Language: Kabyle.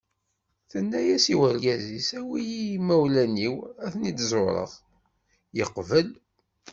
Tenna-as i urgaz-is awi-yi ɣer yimawlan-iw ad ten-id-ẓureɣ. yeqbel.